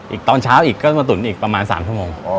อีกตอนเช้าก็มาตุ๋นมาอีกประมาณ๓โมง